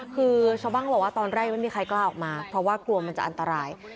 คือชาวบ้านเขาบอกว่าตอนแรกไม่มีใครกล้าออกมาเพราะว่ากลัวมันจะอันตราย